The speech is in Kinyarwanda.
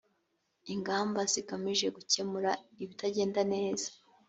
ingamba zigamije gukemura ibitagenda neza